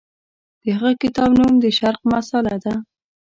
د هغه کتاب نوم د شرق مسأله ده.